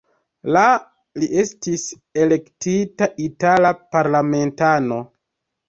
La li estis elektita itala parlamentano.